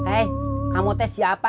eh kamu t siapa